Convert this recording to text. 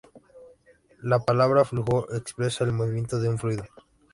La palabra flujo expresa el movimiento de un fluido.